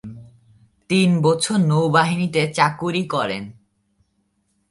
তিন বছর নৌবাহিনীতে চাকুরী করেন।